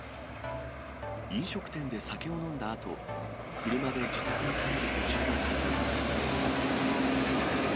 飲食店で酒を飲んだあと、車で自宅に帰る途中だったといいます。